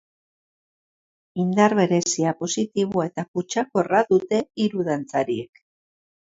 Indar berezia, positiboa eta kutsakorra dute hiru dantzariek.